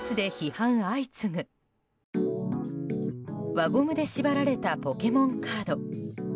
輪ゴムで縛られたポケモンカード。